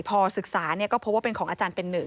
พอศึกษาก็พบว่าเป็นของอาจารย์เป็นหนึ่ง